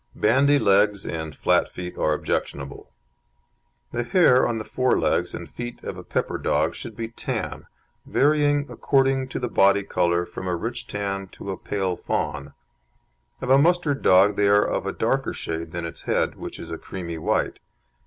Bandy legs and flat feet are objectionable. The hair on the fore legs and feet of a pepper dog should be tan, varying according to the body colour from a rich tan to a pale fawn; of a mustard dog they are of a darker shade than its head, which is a creamy white.